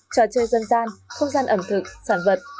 trò chơi dân gian không gian ẩm thực sản vật